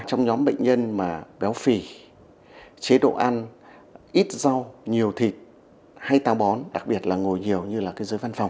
trong nhóm bệnh nhân mà béo phì chế độ ăn ít rau nhiều thịt hay tàu bón đặc biệt là ngồi nhiều như là dưới văn phòng